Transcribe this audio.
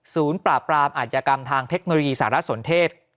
ศูนย์ปราบรามอาจกรรมทางเทคโนโลยีสหรัฐสนเทศ